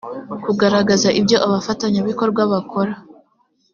kugaragaza ibyo abafatanyabikorwa bakora